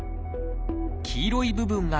黄色い部分が神経。